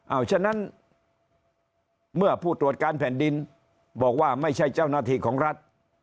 เอาฉะนั้นเมื่อผู้ตรวจการแผ่นดินบอกว่าไม่ใช่เจ้าหน้าที่ของรัฐ